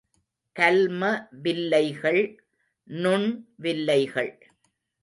கல்ம வில்லைகள், நுண்வில்லைகள்.